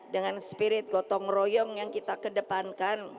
dengan spirit gotong royong yang kita kedepankan